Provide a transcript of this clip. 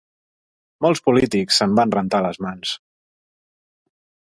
Molts polítics se'n van rentar les mans.